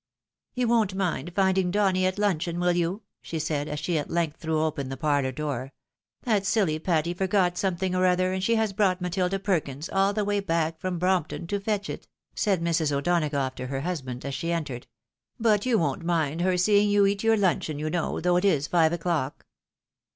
" You won't mind finding Donny at luncheon, wiU you? " she said, as she at length threw open the parlour door. " That silly Patty forgot something or other, and she has brought Matilda Perkins all the way back from Brompton to fetch it," said Mrs. O'Donagough to her husband, as she entered "but you won't mind her seeing you eat your luncheon, you know, though it is five o'clock."